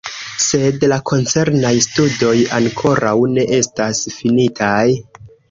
Sed la koncernaj studoj ankoraŭ ne estas finitaj.